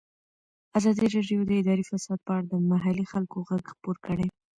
ازادي راډیو د اداري فساد په اړه د محلي خلکو غږ خپور کړی.